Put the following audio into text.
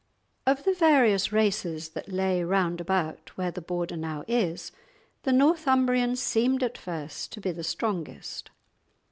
Of the various races that lay round about where the Border now is, the Northumbrians seemed at first to be the strongest.